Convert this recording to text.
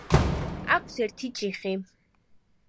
აქვს ერთი ჩიხი.